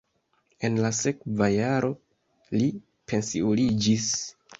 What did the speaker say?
En la sekva jaro li pensiuliĝis.